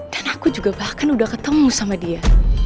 dan aku juga bahkan udah ketemu sama dia